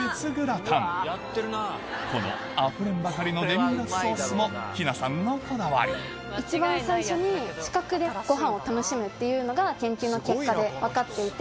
このあふれんばかりのデミグラスソースも日菜さんのこだわりっていうのが研究の結果で分かっていて。